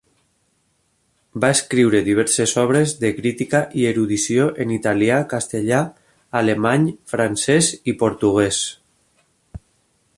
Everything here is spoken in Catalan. Va escriure diverses obres de crítica i erudició en italià, castellà, alemany, francès i portuguès.